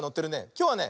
きょうはね